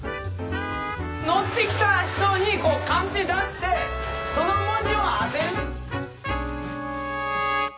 乗ってきた人にこうカンペ出してその文字を当てる。